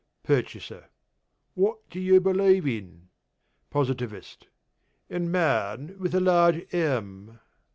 PURCHASER: What do you believe in? POSITIVIST: In Man, with a large M.